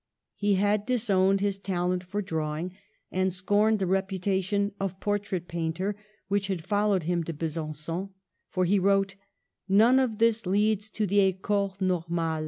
He had disowned his talent for drawing, and scorned the reputation of por trait painter which had followed him to Be sanQon; for he wrote, ''None of this leads to the Ecole Normale.